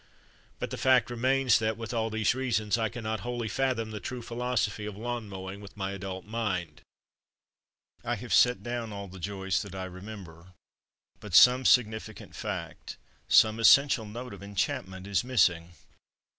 But the fact remains that, with all these reasons, I cannot wholly fathom the true philosophy of lawn mowing with my adult 128 THE DAY BEFORE YESTERDAY mind. I have set down all the joys that I remember, but some significant fact, some essential note of enchantment, is missing.